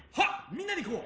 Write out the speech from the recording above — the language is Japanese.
みんなでいこう！